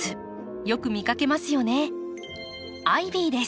よく見かけますよね。